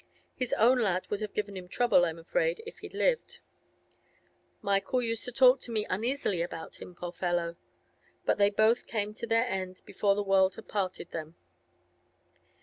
His own lad would have given trouble, I'm afraid, if he'd lived; Michael used to talk to me uneasily about him, poor fellow! But they both came to their end before the world had parted them.